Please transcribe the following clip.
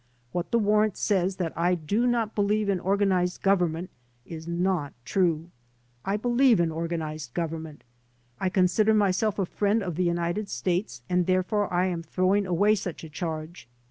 What the warrant says, that I do not believe in organized government, is not true. I believe in organized government. I consider myself a friend of the United States and therefore I am throw ing away such a charge.